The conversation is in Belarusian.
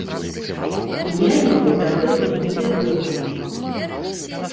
Імя яго дагэтуль невядомае.